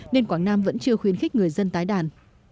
nên quảng nam vẫn chưa khuyến khích người dân tái đàn